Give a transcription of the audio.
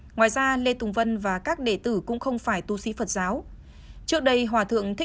ngoài ra lê tùng vân và các đệ tử cũng không phải tu sĩ phật giáo